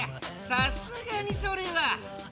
さすがにそれは！